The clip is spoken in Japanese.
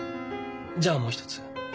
じゃあもう一つ。